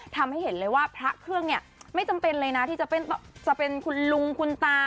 ทำให้เห็นเลยว่าพระเครื่องเนี่ยไม่จำเป็นเลยนะที่จะเป็นคุณลุงคุณตา